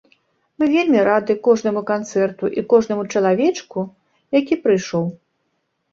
Мы вельмі рады кожнаму канцэрту і кожнаму чалавечку, які прыйшоў.